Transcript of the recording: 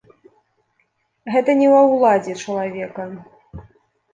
Гэта не ва ўладзе чалавека.